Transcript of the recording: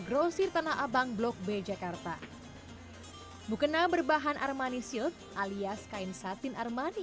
grosir tanah abang blok b jakarta mukena berbahan armani shield alias kain satin armani